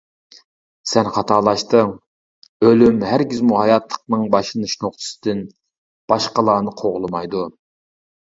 -سەن خاتالاشتىڭ، ئۆلۈم ھەرگىزمۇ ھاياتلىقنىڭ باشلىنىش نۇقتىسىدىن باشقىلارنى قوغلىمايدۇ.